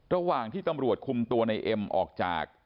ระหว่างที่ตำรวจคุมตัวในเอ็มออกจาก